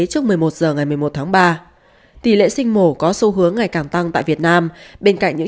trước một mươi một h ngày một mươi một tháng ba tỷ lệ sinh mổ có xu hướng ngày càng tăng tại việt nam bên cạnh những